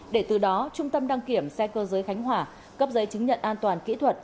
để từ đó trung tâm đăng kiểm xe cơ giới khánh hòa cấp giấy chứng nhận an toàn kỹ thuật